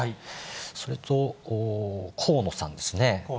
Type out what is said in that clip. それと河野さんですね。